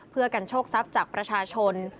เพื่อกันโชคทรัพย์จากประชาชน